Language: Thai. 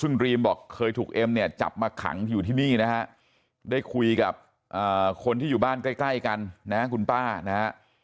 ซึ่งดรีมบอกเคยถูกเอ็มเนี่ยจับมาขังอยู่ที่นี่นะฮะได้คุยกับคนที่อยู่บ้านใกล้กันนะคุณป้านะฮะ